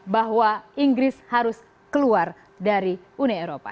bahwa inggris harus keluar dari uni eropa